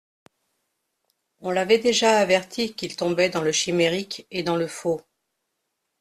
On l'avait déjà averti qu'il tombait dans le chimérique et dans le faux.